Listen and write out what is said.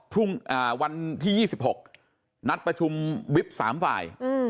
พรุ่งอ่าวันที่ยี่สิบหกนัดประชุมวิบสามฝ่ายอืม